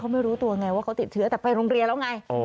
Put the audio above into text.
ไม่รู้ตัวไงว่าเขาติดเชื้อแต่ไปโรงเรียนแล้วไง